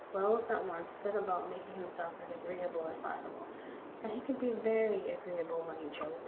Wells at once set about making himself as agree able as possible, and he could be very agreeable when he chose.